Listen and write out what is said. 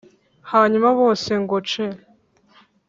Hanyuma bose ngo ce